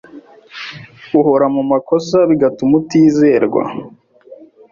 uhora mu makosa bigatuma utizerwa